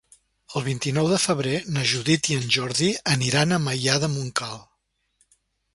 El vint-i-nou de febrer na Judit i en Jordi aniran a Maià de Montcal.